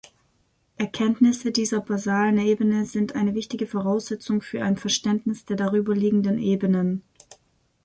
Erkenntnisse dieser basalen Ebene sind eine wichtige Voraussetzung für ein Verständnis der darüberliegenden Ebenen.